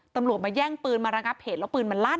ตำรวจมาแย่งปืนมาระงับเหตุแล้วปืนมันลั่น